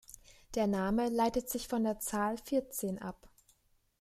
Der Name leitet sich von der Zahl Vierzehn ab.